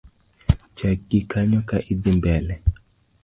Chakgi kanyo ka idhi mbele.